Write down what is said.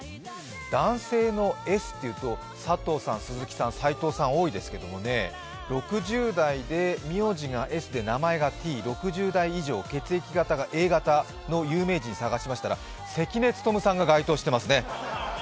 男性のＳというと佐藤さん、鈴木さん、さいとうさん多いですけれど６０代で、名字がＳで名前がＴ６０代以上、血液型がＡ型の有名人探しましたら関根勤さんが該当してますね。